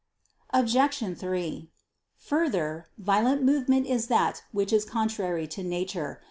Obj. 3: Further, violent movement is that which is contrary to nature.